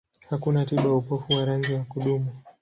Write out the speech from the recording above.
Hakuna tiba ya upofu wa rangi wa kudumu.